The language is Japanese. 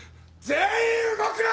・全員動くな！